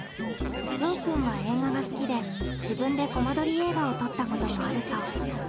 ようくんは映画が好きで自分でコマ撮り映画を撮ったこともあるそう。